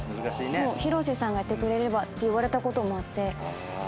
「広瀬さんがやってくれれば」って言われたこともあって。